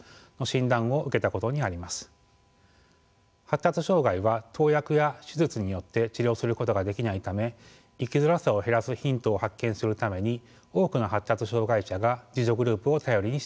発達障害は投薬や手術によって治療することができないため生きづらさを減らすヒントを発見するために多くの発達障害者が自助グループを頼りにしています。